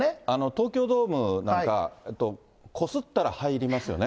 東京ドームなんか、こすったら入りますよね。